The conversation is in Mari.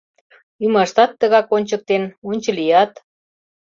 Ӱмаштат тыгак ончыктен, ончылият...